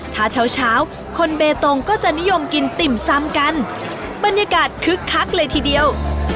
ถ้าเช้าเช้าคนเบตงก็จะนิยมกินติ่มซำกันบรรยากาศคึกคักเลยทีเดียว